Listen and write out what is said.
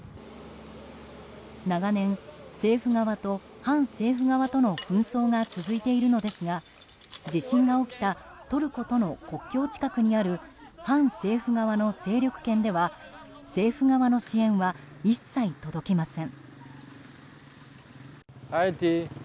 長年、政府側と反政府側との紛争が続いているのですが地震が起きたトルコとの国境近くにある反政府側の勢力圏では政府側の支援は一切届きません。